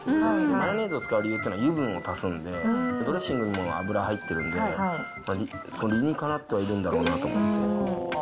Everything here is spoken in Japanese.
マヨネーズは油分を足すんで、ドレッシングにも油入ってるんで、理にかなってはいるんだろうなと思います。